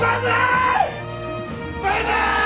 バンザーイ！